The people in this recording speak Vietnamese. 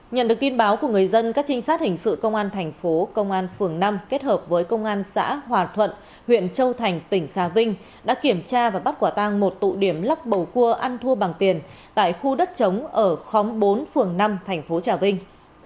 nhận được tin báo của người dân các trinh sát hình sự công an thành phố công an phường năm kết hợp với công an xã hòa thuận huyện châu thành tỉnh trà vinh đã kiểm tra và bắt quả tang một tụ điểm lắc bầu cua ăn thua bằng tiền tại khu đất chống ở khóm bốn phường năm thành phố trà vinh